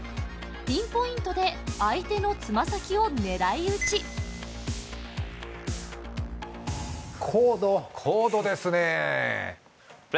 ピンポイントで相手のつま先を狙いうち高度高度ですねプレ？